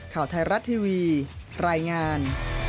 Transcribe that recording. ข่าวไทยรัฐทีวีรายงาน